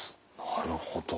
なるほど。